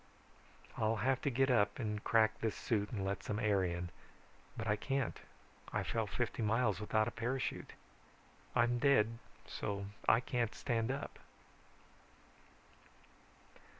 "I'll have to get up and crack this suit and let some air in. But I can't. I fell fifty miles without a parachute. I'm dead so I can't stand up."